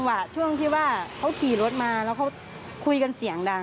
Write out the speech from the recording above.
แล้วน้องเขาเป็นอย่างไรคะเขากลับน้องเขา